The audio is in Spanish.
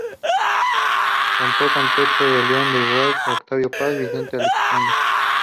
Contó con textos de León de Greiff, Octavio Paz, Vicente Aleixandre, St.